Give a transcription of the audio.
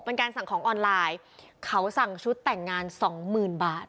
เป็นการสั่งของออนไลน์เขาสั่งชุดแต่งงานสองหมื่นบาท